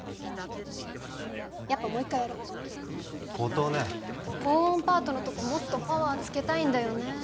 やっぱもう一回やろ琴音高音パートのとこもっとパワーつけたいんだよね